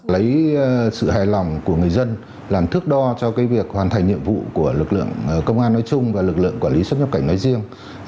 lấy sự hài lòng của người dân làm thước đo cho việc hoàn thành nhiệm vụ của lực lượng công an nói chung và lực lượng quản lý xuất nhập cảnh nói riêng